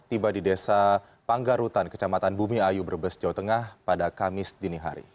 tiba di desa panggarutan kecamatan bumi ayu brebes jawa tengah pada kamis dini hari